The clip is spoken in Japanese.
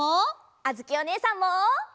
あづきおねえさんも。